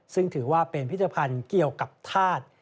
ซึ่งถือว่าเป็นพิธภัณฑ์เกี่ยวกับธาตุ